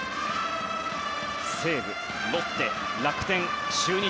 西武、ロッテ、楽天、中日。